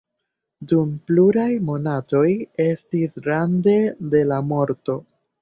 Dum pluraj monatoj estis rande de la morto.